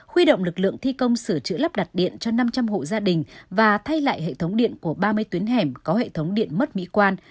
huy động lực lượng thi công sửa chữa lắp đặt điện cho năm trăm linh hộ gia đình và thay lại hệ thống điện của ba mươi tuyến hẻm có hệ thống điện mất mỹ quan